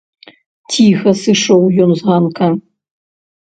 Ціха сышоў ён з ганка.